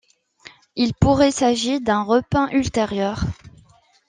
Il pourrait s'agit d'un repeint ultérieur.